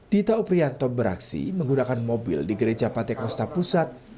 dita oprianto beraksi menggunakan mobil di gereja patek nosta pusat